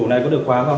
giật bằng hai tay